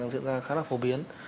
đang diễn ra khá là phổ biến